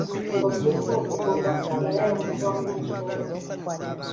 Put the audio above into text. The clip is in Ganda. Ng’oggyeeko okugobwa era yamukubamu ne kibooko.